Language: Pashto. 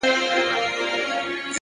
مثبت لید افقونه پراخوي,